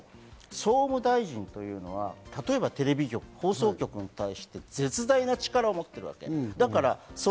あえて申し上げるけれども、総務大臣というのは、例えばテレビ局、放送局に対して絶大な力を持っているわけ。